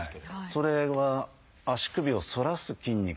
それは足首を反らす筋肉。